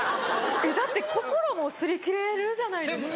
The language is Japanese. えっだって心も擦り切れるじゃないですか。